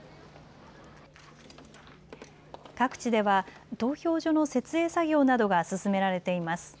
各地では投票所の設営作業などが進められています。